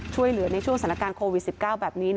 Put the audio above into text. ช่วยเหลือในช่วงสถานการณ์โควิด๑๙แบบนี้